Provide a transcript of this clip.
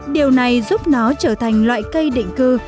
điều này giúp nó trở thành loại cây định cư